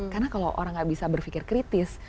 karena kalau orang nggak bisa berpikir kritis